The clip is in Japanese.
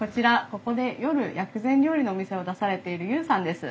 ここで夜薬膳料理のお店を出されている悠さんです。